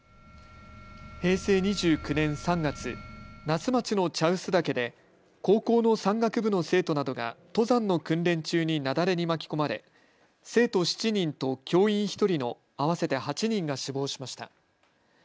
平成２９年３月、那須町の茶臼岳で高校の山岳部の生徒などが登山の訓練中に雪崩に巻き込まれ生徒７人と教員１人の合わせて８人が死亡しました。